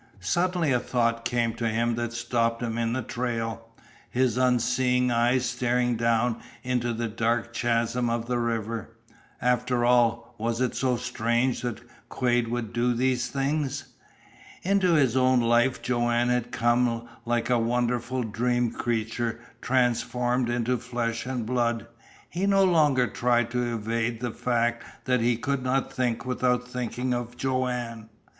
Suddenly a thought came to him that stopped him in the trail, his unseeing eyes staring down into the dark chasm of the river. After all, was it so strange that Quade would do these things? Into his own life Joanne had come like a wonderful dream creature transformed into flesh and blood. He no longer tried to evade the fact that he could not think without thinking of Joanne.